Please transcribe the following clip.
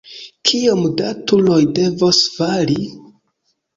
Kiom da turoj devos fali?